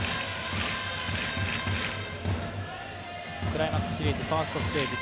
クライマックスシリーズファーストステージ